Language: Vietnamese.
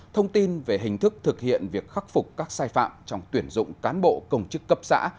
thông tin về hình thức thực hiện việc khắc phục các sai phạm trong tuyển dụng cán bộ công chức cấp xã